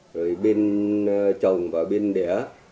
rồi bên chồng và bên đẻ